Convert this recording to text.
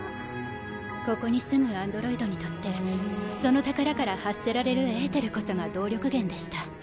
ここに住むアンドロイドにとってその宝から発せられるエーテルこそが動力源でした。